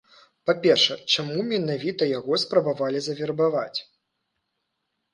Па-першае, чаму менавіта яго спрабавалі завербаваць?